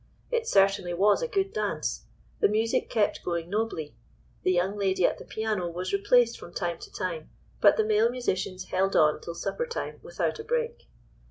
It certainly was a good dance. The music kept going nobly. The young lady at the piano was replaced from time to time, but the male musicians held on till supper time without a break.